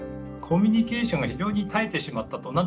コミュニケーションが非常に絶えてしまったと。